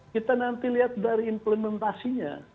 kita nanti lihat dari implementasinya